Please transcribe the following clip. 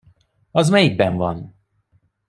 Az melyikben van?